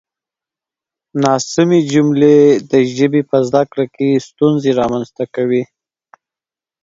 ناسمې جملې د ژبې په زده کړه کې ستونزې رامنځته کوي.